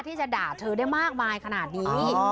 ที่จะด่าเธอได้มากมายขนาดนี้